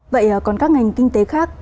vậy còn các ngành kinh tế khác